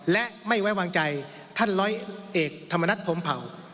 และไม่ไว้วางใจท่านร้อยเอกธรรมนัฐพรมเผา